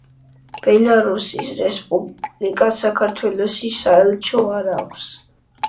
ბელარუსის რესპუბლიკას საქართველოში საელჩო არ აქვს.